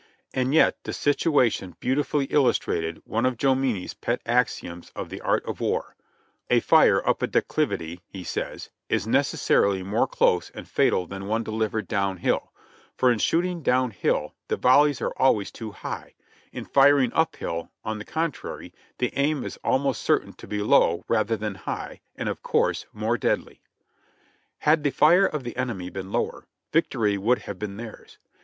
And yet the situation beautifully illustrated one of Tomini's pet axioms on the art of war: "A fire up a declivity," he says, "is necessarily more close and fatal than one delivered down hill, for in shooting down hill the volleys are always too high ; in firing up hill, on the contrary, the aim is almost certain to be low rather than high, and, of course, more deadly." Had the fire of the enemy been lower, victory would have been theirs.